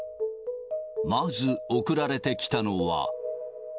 まず送られてきたのは。